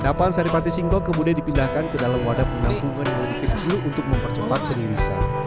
dapan sari pati singkong kemudian dipindahkan ke dalam wadah penampungan yang dikit dulu untuk mempercepat penirisan